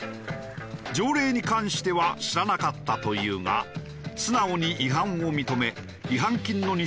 条例に関しては知らなかったというが素直に違反を認め違反金の２０００円を支払い